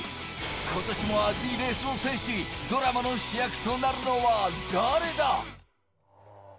今年もアツいレースを制し、ドラマの主役となるのは誰だ？